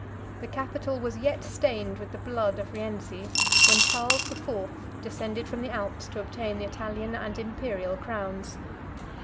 The Capitol was yet stained with the blood of Rienzi, when Charles the Fourth descended from the Alps to obtain the Italian and Imperial crowns.